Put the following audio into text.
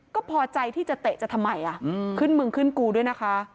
ก็พอใจที่จะเตะจะทำไมขึ้นมึงขึ้นกูด้วยนะคะ